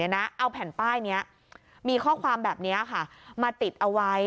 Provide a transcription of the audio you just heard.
เอาแผ่นป้ายนี้มีข้อความแบบนี้มาติดเอาไว้